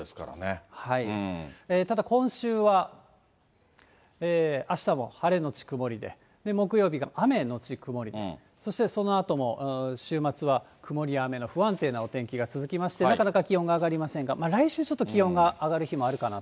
ただ、今週はあしたも晴れ後曇りで、木曜日が雨後曇り、そしてそのあとも週末は、曇りや雨の不安定なお天気が続きまして、なかなか気温が上がりませんが、来週ちょっと気温が上がる日もあるかなと。